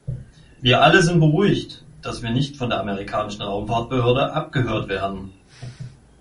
Wir alle sind beruhigt, dass wir nicht von der amerikanischen Raumfahrtbehörde abgehört werden.